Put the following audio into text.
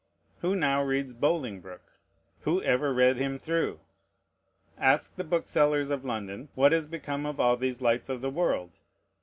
Who now reads Bolingbroke? Who ever read him through? Ask the booksellers of London what is become of all these lights of the world.